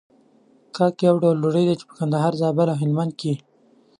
کاک يو ډول ډوډۍ ده په کندهار، زابل او هلمند کې.